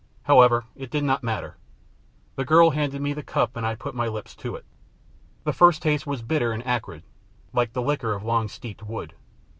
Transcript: However, it did not matter. The girl handed me the cup, and I put my lips to it. The first taste was bitter and acrid, like the liquor of long steeped wood.